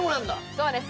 そうです